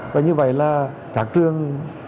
và như vậy là các trường